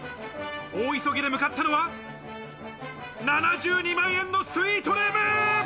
大急ぎで向かったのは、７２万円のスイートルーム。